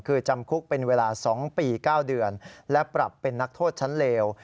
คือจำคุกเป็นเวลา๒ปี๙เดือนและปรับเป็นนักโทษชั้นเลว